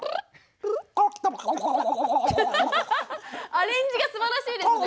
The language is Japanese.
アレンジがすばらしいですね。